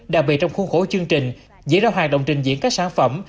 đặc biệt trong khuôn khổ chương trình dĩ ra hoạt động trình diễn các sản phẩm